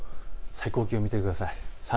最高気温、見てください。